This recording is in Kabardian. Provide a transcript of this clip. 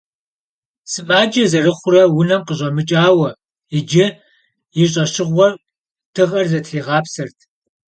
Сымаджэ зэрыхъурэ унэм къыщӏэмыкӏауэ, иджы и щӏэщыгъуэу дыгъэр зытригъапсэрт.